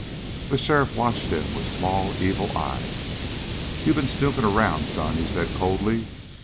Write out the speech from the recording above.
The sheriff watched him with small, evil eyes. "You been snooping around, son," he said coldly.